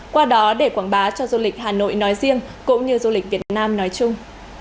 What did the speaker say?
qua đó để quảng bá cho du lịch hà nội nói riêng cũng như du lịch việt nam nói chung